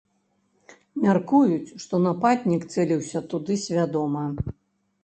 Мяркуюць, што нападнік цэліўся туды свядома.